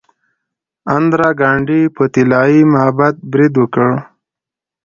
اندرا ګاندي په طلایی معبد برید وکړ.